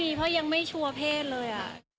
เพราะยังไม่ชัวร์เพศเลย